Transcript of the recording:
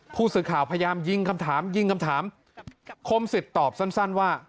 ผู้สื่อข่าวพยายามยิงคำถามยิงคำถามคมสิทธิ์ตอบสั้นว่า